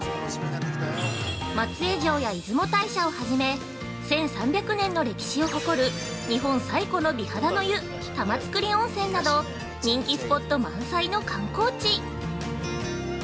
松江城や出雲大社をはじめ１３００年を誇る日本最古の美肌の湯玉造温泉など人気スポット満載の観光地！